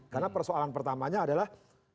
karena persoalan pertamanya adalah